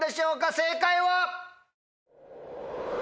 正解は？